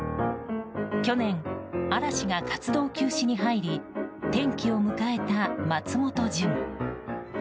去年、嵐が活動休止に入り転機を迎えた松本潤。